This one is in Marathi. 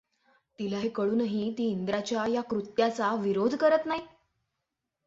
तिला हे कळूनही ती इंद्राच्या या कृत्याचा विरोध करत नाही.